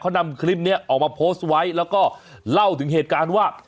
นำคลิปนี้ออกมาโพสต์ไว้แล้วก็เล่าถึงเหตุการณ์ว่า